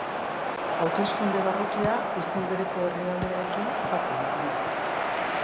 Hauteskunde-barrutia izen bereko herrialdearekin bat egiten du.